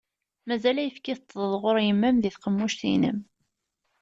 Mazal ayefki teṭṭḍeḍ ɣur yemma-m di tqemmuct-inem.